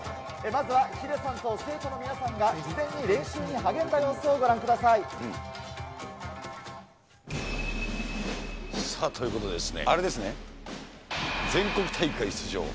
まずはヒデさんと生徒の皆さんが事前に練習に励んだ様子をご覧ください。ということでですね、あれですね、全国大会出場。